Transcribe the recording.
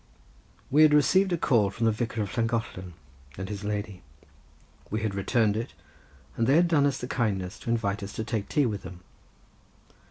We had received a call from the Vicar of Llangollen and his lady; we had returned it, and they had done us the kindness to invite us to take tea with them.